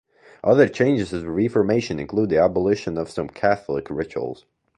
Other changes of the reformation included the abolition of some Catholic rituals.